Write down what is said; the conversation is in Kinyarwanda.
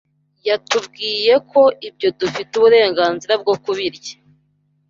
yatubwiye ko ibyo dufite uburenganzira bwo kubirya.